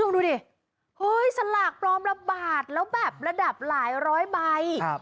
เฮ้ยคุณผชกดูดิสลากปลอมระบาดแล้วแบบระดับหลายร้อยใบ